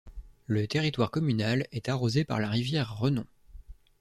Le territoire communal est arrosé par la rivière Renon.